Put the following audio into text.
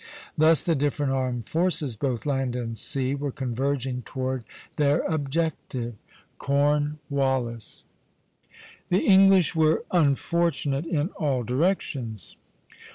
Thus the different armed forces, both land and sea, were converging toward their objective, Cornwallis. The English were unfortunate in all directions.